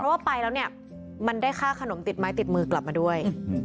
ว่าไปแล้วเนี่ยมันได้ค่าขนมติดไม้ติดมือกลับมาด้วย